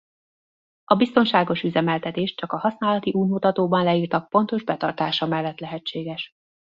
A biztonságos üzemeltetés csak a használati útmutatóban leírtak pontos betartása mellett lehetséges.